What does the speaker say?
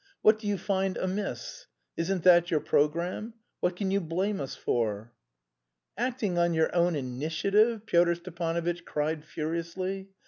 What do you find amiss? Isn't that your programme? What can you blame us for?" "Acting on your own initiative!" Pyotr Stepanovitch cried furiously.